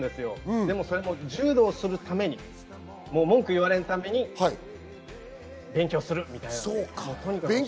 でもそれも柔道をするために文句を言われないために勉強するみたいな。